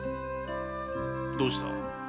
どうした？